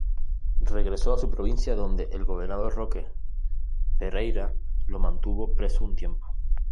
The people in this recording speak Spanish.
Regresó a su provincia, donde el gobernador Roque Ferreyra lo mantuvo preso un tiempo.